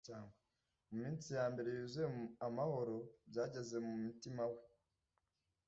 muminsi yambere yuzuye amahoro. byageze mu mutima we